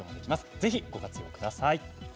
ぜひ、ご活用ください。